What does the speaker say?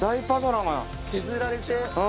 削られて。